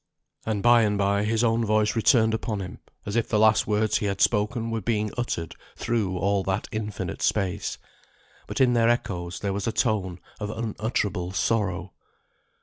And by and by his own voice returned upon him, as if the last words he had spoken were being uttered through all that infinite space; but in their echoes there was a tone of unutterable sorrow.